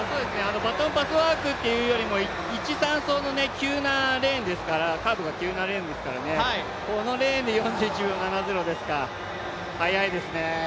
バトンパスワークというよりも、１・３走はカーブが急なレーンですからこのレーンで４１秒７０ですか、速いですね。